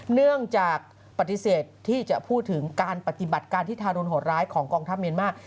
เนื่องจากปฏิเสธที่จะพูดถึงการปฏิบัติการที่ทารุณโหดร้ายของกองทัพเมียนมาร์